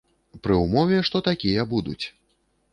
Пры ўмове, што такія будуць.